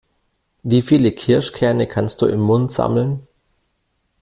Wie viele Kirschkerne kannst du im Mund sammeln?